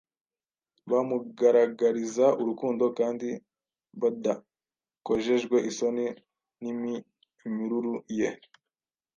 bamugaragariza urukundo kandi badakojejwe isoni n’iminyururu ye